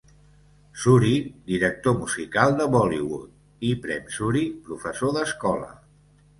Suri, director musical de Bollywood, i Prem Suri, professor d'escola.